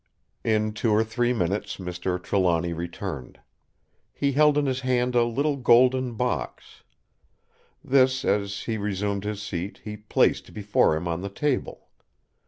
In two or three minutes, Mr. Trelawny returned. He held in his hand a little golden box. This, as he resumed his seat, he placed before him on the table.